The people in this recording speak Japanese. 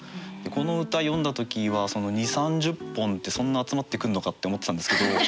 この歌読んだ時は２０３０本ってそんな集まってくんのかって思ってたんですけど。